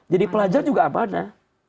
jadi pelajar juga amanah